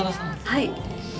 はい。